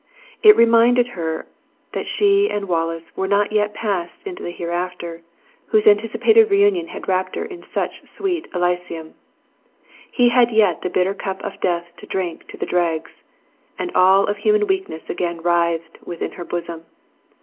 It reminded her that she and Wallace were not yet passed into the hereafter, whose anticipated reunion had wrapt her in such sweet elysium. He had yet the bitter cup of death to drink to the dregs; and all of human weakness again writhed within her bosom.